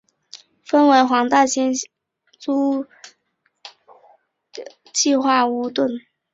分为黄大仙下邨为租者置其屋计划屋邨。